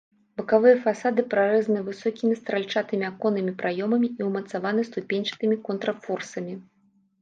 Бакавыя фасады прарэзаны высокімі стральчатымі аконнымі праёмамі і ўмацаваны ступеньчатымі контрфорсамі.